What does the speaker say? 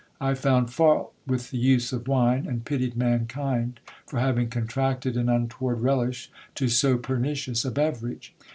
I found fault with the use of wine, and pitied mankind for having contracted an untoward relish to so pernicious a beverage.